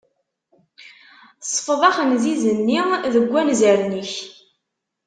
Sfeḍ axenziz-nni deg anzaren-ik.